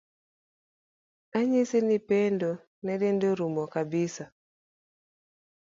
Anyisi ni Pendo ne dende orumo kabisa.